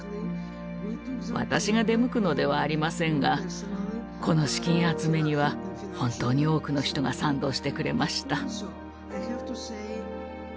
私が出向くのではありませんがこの資金集めには本当に多くの人が賛同してくれました。